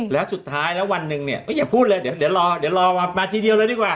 แล้วสุดท้ายแล้ววันหนึ่งเนี่ยก็อย่าพูดเลยเดี๋ยวรอเดี๋ยวรอมาทีเดียวเลยดีกว่า